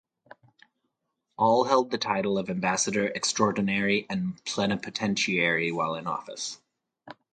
All held the title of Ambassador Extraordinary and Plenipotentiary while in office.